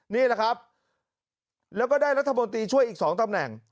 นี่แหละครับแล้วก็ได้รัฐบนตรีช่วยอีก๒ตำแหน่ง